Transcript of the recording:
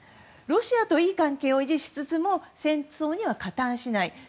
ロシアといい関係を維持しつつも戦争には加担しない。